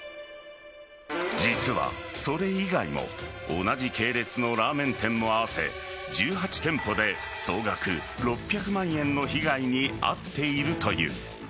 実はそれ以外も同じ系列のラーメン店も合わせ１８店舗で総額６００万円の被害に遭っているという。